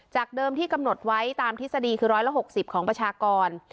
เดิมที่กำหนดไว้ตามทฤษฎีคือ๑๖๐ของประชากร